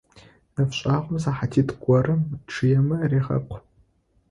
Нэфшъагъом сыхьатитӏу горэм чъыемэ регъэкъу.